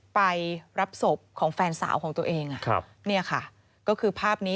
ไปรับศพของแฟนสาวของตัวเองเนี่ยค่ะก็คือภาพนี้